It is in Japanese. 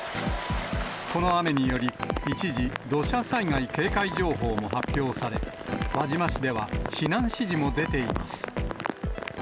この雨により、一時、土砂災害警戒情報も発表され、輪島市では、避難指示も出ています。